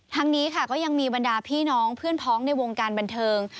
นี้ค่ะก็ยังมีบรรดาพี่น้องเพื่อนพ้องในวงการบันเทิง